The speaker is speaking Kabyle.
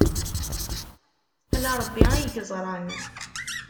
Ala Ṛebbi ay yeẓran.